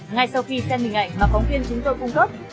ngay sau khi xem hình ảnh mà phóng viên chúng tôi cung cấp